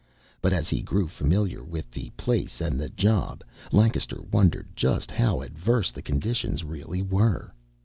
But as he grew familiar with the place and the job, Lancaster wondered just how adverse the conditions really were.